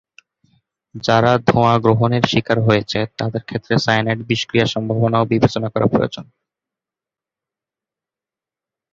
যারা ধোঁয়া গ্রহণের স্বীকার হয়েছে তাদের ক্ষেত্রে সায়ানাইড বিষক্রিয়ার সম্ভাবনাও বিবেচনা করা প্রয়োজন।